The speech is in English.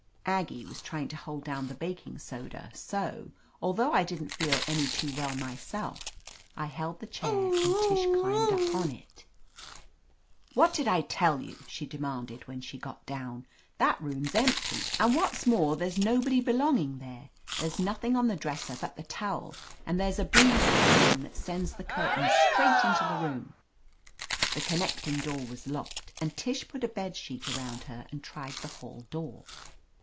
Aggie was trying to hold down the baking soda, so, although I didn't feel any too well myself, I held the chair and Tish climbed up on it. 257 THE AMAZING ADVENTURES "What did I tell you ?" she demanded when she got down. "That room's empty, and what's more there's nobody belonging there. There's nothing on the dresser but the towel ; and there's a breeze coming in that sends the curtains straight into the room." The connecting door was locked, and Tish put a bed sheet around her and tried the hall door.